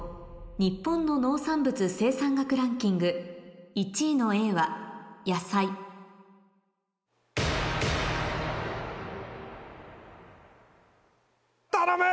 日本の農作物生産額ランキング１位のＡは野菜頼む！